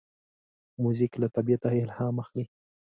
موزیک له طبیعته الهام اخلي.